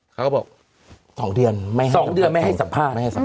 เขาก็บอกสองเดือนไม่ให้สัมภาษณ์